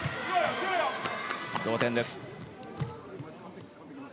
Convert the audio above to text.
同点です。